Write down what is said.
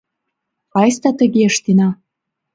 — Айста тыге ыштена.